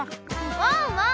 ワンワン！